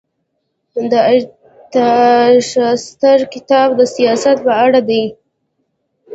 د ارتاشاسترا کتاب د سیاست په اړه دی.